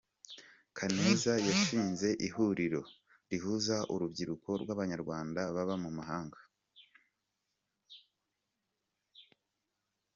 Kaneza yashinze ihuriro rihuza urubyiruko rw’Abanyarwanda baba mu mahanga